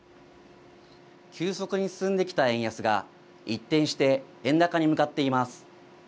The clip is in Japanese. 急速に進んできた円安が一転して円高に向かっています。